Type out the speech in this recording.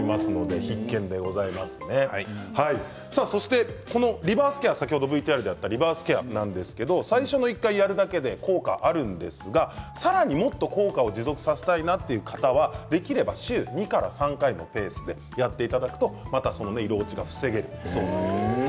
そしてこのリバースケアはＶＴＲにありましたが最初の１回やるだけで効果あるんですがさらにもっと効果を持続させたいなという方はできれば週２から３回のペースでやっていただくと色落ちが防げるということです。